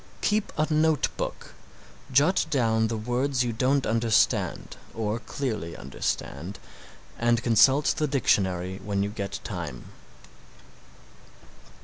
Keep a note book, jot down the words you don't understand or clearly understand and consult the dictionary when you get time.